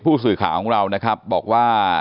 ผู้สื่อข่าวของเรานะครับบอกว่า